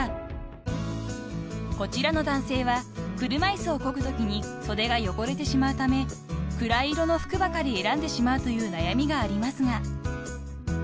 ［こちらの男性は車椅子をこぐときに袖が汚れてしまうため暗い色の服ばかり選んでしまうという悩みがありますが］